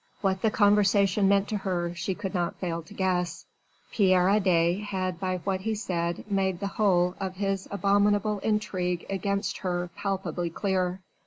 What the conversation meant to her she could not fail to guess. Pierre Adet had by what he said made the whole of his abominable intrigue against her palpably clear.